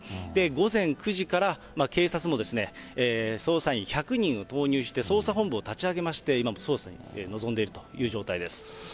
午前９時から、警察も捜査員１００人を投入して、捜査本部を立ち上げまして、今も捜査に臨んでいるという状態です。